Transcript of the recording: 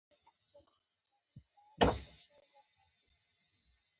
دا کار د سیمه ایزې ډلې په چوکاټ کې ترسره کیږي